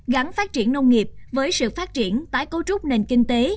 gắn phát triển nông nghiệp với sự phát triển tái cấu trúc nền kinh tế